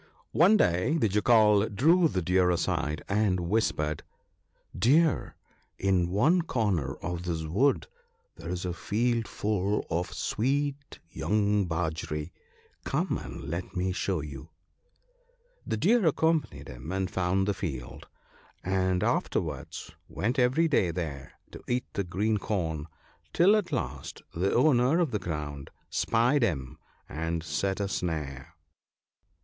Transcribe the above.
One day the Jackal drew the Deer aside, and whispered, " Deer, in one corner 36 THE BOOK OF GOOD COUNSELS. of this wood there is a field full of sweet young bajri ; come and let me show you." The Deer accompanied him, and found the field, and afterwards went every day there to eat the green corn, till at last the owner of the ground spied him and set a snare.